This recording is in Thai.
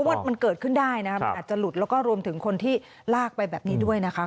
ว่ามันเกิดขึ้นได้นะมันอาจจะหลุดแล้วก็รวมถึงคนที่ลากไปแบบนี้ด้วยนะคะ